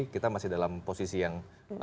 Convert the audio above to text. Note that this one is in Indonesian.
kita masih dalam posisi yang